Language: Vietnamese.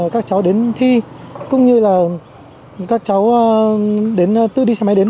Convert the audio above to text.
các cháu đến thi cũng như là các cháu đến tư đi xe máy đến